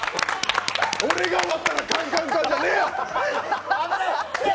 俺が終わったら、カンカンカンじゃねえよ！